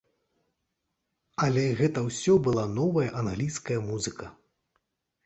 Але гэта ўсё была новая англійская музыка.